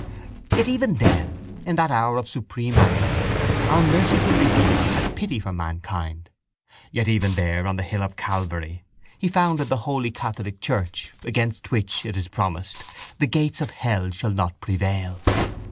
—Yet even then, in that hour of supreme agony, Our Merciful Redeemer had pity for mankind. Yet even there, on the hill of Calvary, He founded the holy catholic church against which, it is promised, the gates of hell shall not prevail.